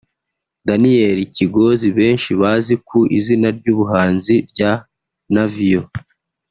Daniel Kigozi benshi bazi ku izina ry’ubuhanzi rya Navio